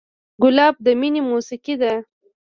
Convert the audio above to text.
ګلاب د مینې موسیقي ده.